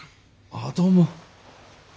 ああどうも。